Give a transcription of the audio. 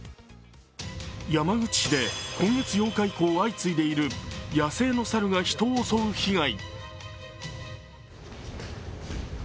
山口市で今月８日以降相次いでいる、野生の猿が人を襲う被害。